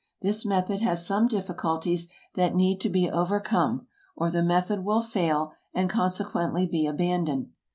This method has some difficulties that need to be overcome or the method will fail and consequently be abandoned.